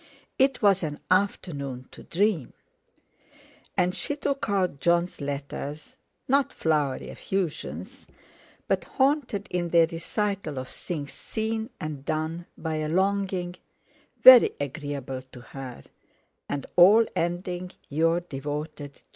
It was an afternoon to dream. And she took out Jon's letters—not flowery effusions, but haunted in their recital of things seen and done by a longing very agreeable to her, and all ending "Your devoted J."